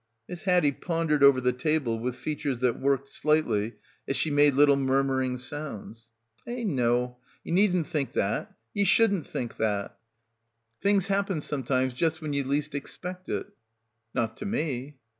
Miss Haddie pondered over the table with features that worked slightly as she made little murmuring sounds. "Eh no. Ye needn't think that. Ye shouldn't think like that. ... Things — 168 — BACKWATER happen sometimes ... just when ye least expect it." "Not to me."